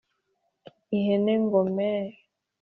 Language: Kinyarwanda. Ihene ngo me